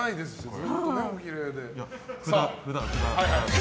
ずっとおきれいで。